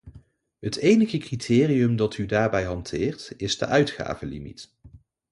Het enige criterium dat u daarbij hanteert is de uitgavenlimiet.